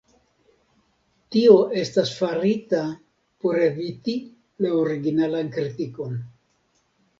Tio estas farita por eviti la originalan kritikon.